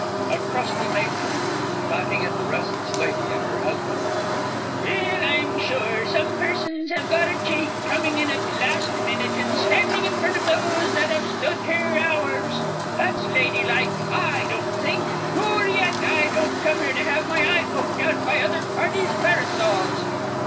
A CRUSTY MATRON (talking at the R. L. and her husband). Well, I'm sure, some persons have got a cheek, coming in at the last minnit and standing in front of those that have stood here hours that's lady like, I don't think! Nor yet, I didn't come here to have my eye poked out by other parties' pairosols.